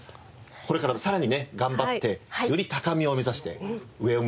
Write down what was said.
これからもさらにね頑張ってより高みを目指して上を向いて頑張ってください。